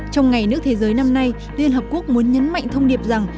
trong ngày nước thế giới năm nay liên hợp quốc muốn nhấn mạnh thông điệp rằng